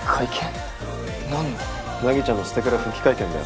凪ちゃんのステクラ復帰会見だよ。